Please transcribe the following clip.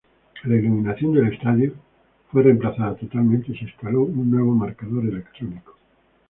La iluminación del estadio fue reemplazada totalmente y se instaló un nuevo marcador electrónico.